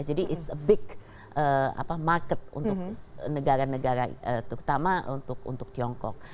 jadi itu adalah market besar untuk negara negara terutama untuk tiongkok